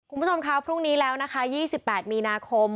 คุณผู้ชมครับพรุ่งนี้แล้วนะคะ๒๘มีนาคม